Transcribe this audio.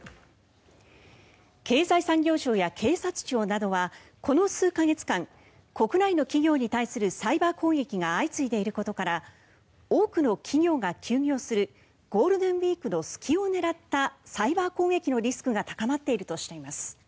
経済産業省や警察庁などはこの数か月間国内の企業に対するサイバー攻撃が相次いでいることから多くの企業が休業するゴールデンウィークの隙を狙ったサイバー攻撃のリスクが高まっているとしています。